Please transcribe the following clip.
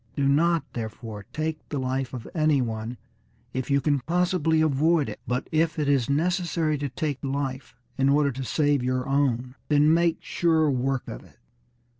Do not, therefore, take the life of any one, if you can possibly avoid it; but if it is necessary to take life in order to save your own, then make sure work of it."